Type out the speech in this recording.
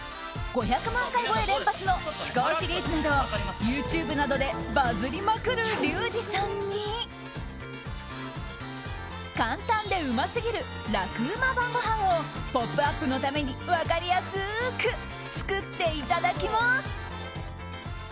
５００万回超え連発の至高シリーズなどＹｏｕＴｕｂｅなどでバズりまくるリュウジさんに簡単でうますぎる楽ウマ晩ごはんを「ポップＵＰ！」のために分かりやすく作っていただきます。